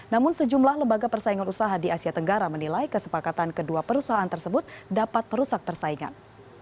namun sejumlah lembaga persaingan usaha di asia tenggara menilai kesepakatan kedua perusahaan tersebut dapat merusak persaingan